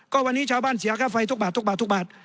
ก็วันนี้ชาวบ้านเสียค่าไฟทุกบาททุกบาททุกบาท